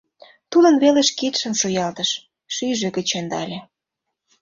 Тудын велыш кидшым шуялтыш, шӱйжӧ гыч ӧндале.